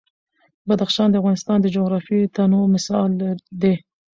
بدخشان د افغانستان د جغرافیوي تنوع مثال دی.